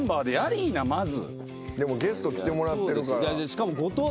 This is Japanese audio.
でもゲスト来てもらってるから。